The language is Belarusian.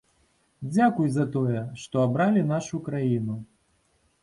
Дзякуй за тое, што абралі нашу краіну.